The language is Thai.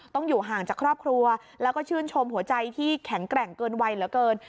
อยู่ห่างจากครอบครัวแล้วก็ชื่นชมหัวใจที่แข็งแกร่งเกินวัยเหลือเกิน